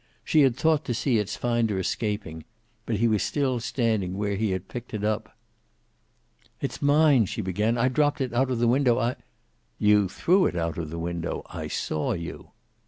She had thought to see its finder escaping, but he was still standing where he had picked it up. "It's mine," she began. "I dropped it out of the window. I " "You threw it out of the window. I saw you."